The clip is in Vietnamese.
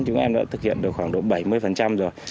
chúng em đã thực hiện được khoảng độ bảy mươi rồi